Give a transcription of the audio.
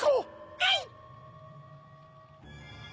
はい！